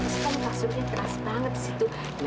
terus kan kasurnya keras banget disitu